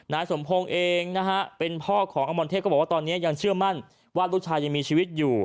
นายสมพงศ์เองนะฮะเป็นพ่อของอมรเทพก็บอกว่าตอนนี้ยังเชื่อมั่นว่าลูกชายยังมีชีวิตอยู่